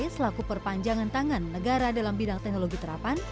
selaku perpanjangan tangan negara dalam bidang teknologi terapan